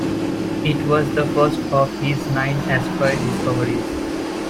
It was the first of his nine asteroid discoveries.